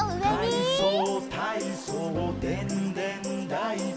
「かいそうたいそうでんでんだいこ」